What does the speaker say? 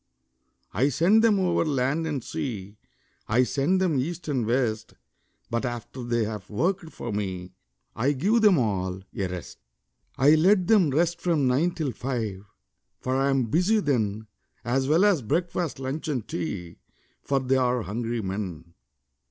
I send them over land and sea, I send them east and west; But after they have worked for me, I give them all a rest. I let them rest from nine till five, For I am busy then, As well as breakfast, lunch, and tea, For they are hungry men.